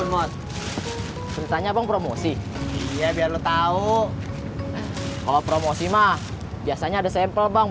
mau tanya bang promosi dia biar lu tahu kalau promosi mah biasanya ada sampel bang